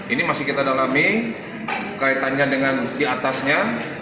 ini masih kita dalami kaitannya dengan diatasnya